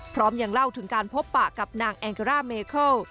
พร้อมยังเล่าถึงการพบปะกับนางแองการ่าเมเคิล